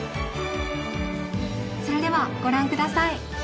それではご覧下さい。